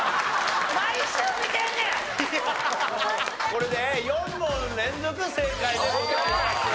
これで４問連続正解でございます。